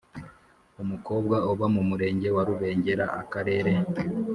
umukobwa uba mu Murenge wa Rubengera Akarere